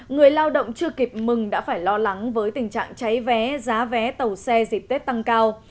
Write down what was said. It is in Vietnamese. người lao động chưa kịp mừng đã phải lo lắng với tình trạng cháy vé giá vé tàu xe dịp tết tăng cao